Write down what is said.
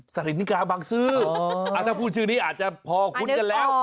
สถิกาบังซื้อถ้าพูดชื่อนี้อาจจะพอคุ้นกันแล้ว